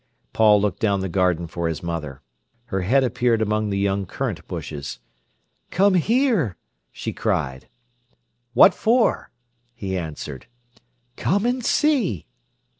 Paul looked down the garden for his mother. Her head appeared among the young currant bushes. "Come here!" she cried. "What for?" he answered. "Come and see."